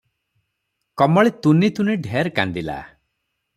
କମଳୀ ତୁନି ତୁନି ଢେର କାନ୍ଦିଲା ।